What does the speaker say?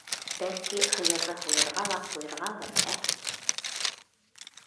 — Бәлки, һыйырҙы һуйырға ла ҡуйырғалыр, ә?